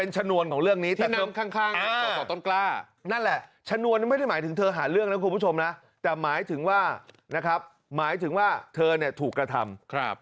ฉะนวันไม่ได้หมายถึงเธอหาเรื่องนะคุณผู้ชมนะแต่หมายถึงว่าหมายถึงว่าเธอถูกกระทำ